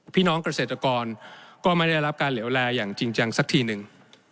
พี่น้องเกษตรกรก็ไม่ได้รับการเหลวแลอย่างจริงจังสักทีหนึ่ง